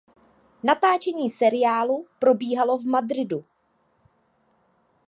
Natáčení seriálu probíhalo v Madridu.